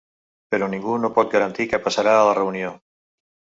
Però ningú no pot garantir què passarà a la reunió.